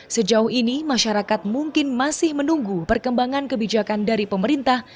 sejauh ini masyarakat mungkin masih menunggu perkembangan kebijakan dari pemerintah